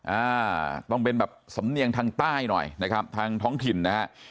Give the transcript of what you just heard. อ่าต้องเป็นแบบสำเนียงทางใต้หน่อยนะครับทางท้องถิ่นนะฮะ